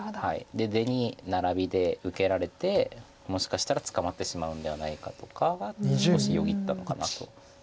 で出にナラビで受けられてもしかしたら捕まってしまうんではないかとかが少しよぎったのかなと。